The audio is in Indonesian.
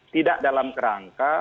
tidak dalam rangka